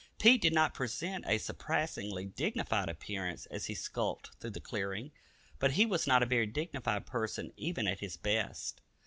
Pete did not present a surpassingly dignified appearance as he skulked through the clearing, but he was not a very dignified person even at his best.